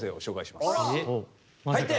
入って！